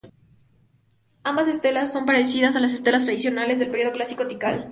Ambas "Estelas" son parecidas a las "Estelas" tradicionales del periodo clásico de Tikal.